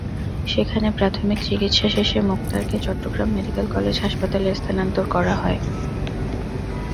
সেখানে প্রাথমিক চিকিৎসা শেষে মোক্তারকে চট্টগ্রাম মেডিকেল কলেজ হাসপাতালে স্থানান্তর করা হয়।